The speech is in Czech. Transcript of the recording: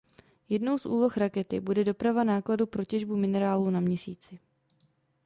Jednou z úloh rakety bude doprava nákladu pro těžbu minerálů na Měsíci.